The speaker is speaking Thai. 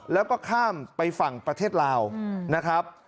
แล้วก็ข้ามไปฝั่งประเทศลาวนะครับ